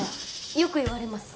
よくいわれます。